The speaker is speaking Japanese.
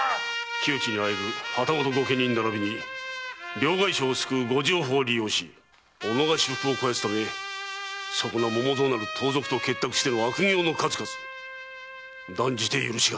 窮地に喘ぐ旗本御家人ならびに両替商を救うご定法を利用し己が私腹を肥やすためそこな百蔵なる盗賊と結託しての悪行の数々断じて許しがたい。